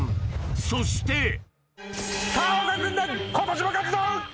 そしてさぁ青学軍団今年も勝つぞ！